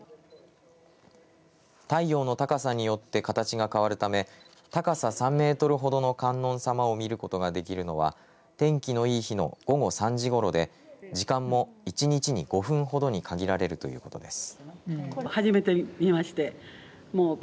太陽の高さによって形が変わるため高さ３メートルほどの観音さまを見ることができるのは天気のいい日の午後３時ごろで時間も１日に５分ほどに限られるということです。